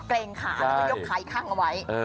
เกรงขายกขาอีกครั้งเอาไว้